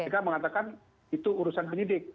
mereka mengatakan itu urusan penyidik